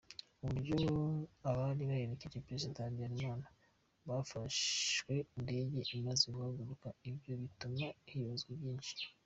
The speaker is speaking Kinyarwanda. Uburyo abari baherekeje Perezida Habyalimana bafashwe indege imaze guhanurwa nabyo bituma hibazwa byinshi!